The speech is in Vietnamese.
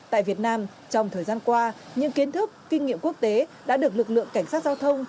tại việt nam trong thời gian qua những kiến thức kinh nghiệm quốc tế đã được lực lượng cảnh sát giao thông